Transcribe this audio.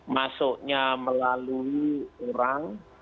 masuknya melalui orang